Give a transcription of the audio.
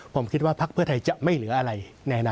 ผมคิดว่าภาคเปอร์ไทยจะไม่เหลืออะไรในอนาคต